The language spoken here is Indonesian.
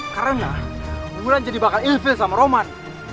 karena gue kan jadi bakal evil sama roman